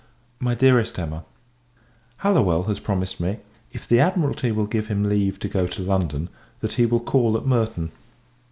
MY DEAREST EMMA, Hallowell has promised me, if the Admiralty will give him leave to go to London, that he will call at Merton.